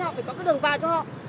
họ phải có cái đường vào cho họ